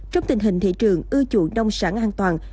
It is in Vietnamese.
trong tình hình thị trường ưa chuộng nông sản an toàn